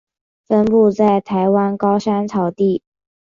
分布在台湾高山草地。